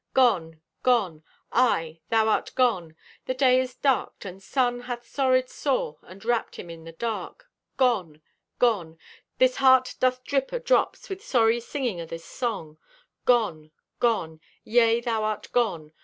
Gone! Gone! Aye, thou art gone! The day is darked, and sun Hath sorried sore and wrapped him in the dark. Gone! Gone! This heart doth drip o' drops With sorry singing o' this song. Gone! Gone! Yea, thou art gone!